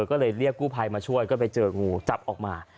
ก็เลยเรียกกู้ภัยมาช่วยก็ไปเจองูจับออกมา